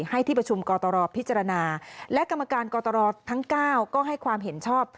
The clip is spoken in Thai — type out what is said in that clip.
ให้ที่ประชุมกตรพิจารณาและกรรมการกตรทั้ง๙ก็ให้ความเห็นชอบ